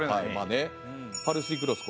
パルスイクロス